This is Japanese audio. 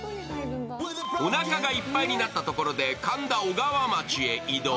おなかがいっぱいになったところで、神田・小川町へ移動。